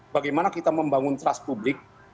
bagaimana kita membangun trust publik